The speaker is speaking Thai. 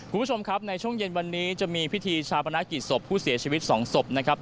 คุณผู้ชมครับในช่วงเย็นวันนี้จะมีพิธีชาปนกิจศพผู้เสียชีวิตสองศพนะครับ